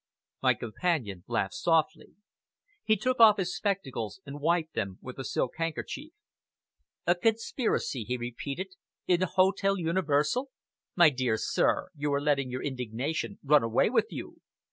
My companion laughed softly. He took off his spectacles, and wiped them with a silk handkerchief. "A conspiracy," he repeated, "in the Hotel Universal. My dear sir, you are letting your indignation run away with you!